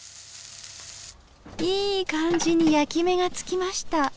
いい感じに焼き目がつきました。